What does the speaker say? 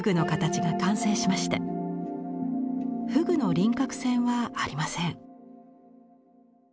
河豚の輪郭線はありません。